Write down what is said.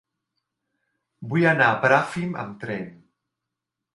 Vull anar a Bràfim amb tren.